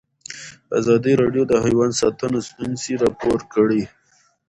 ازادي راډیو د حیوان ساتنه ستونزې راپور کړي.